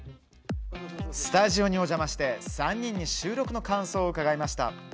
スタジオにお邪魔して３人に収録の感想を伺いました。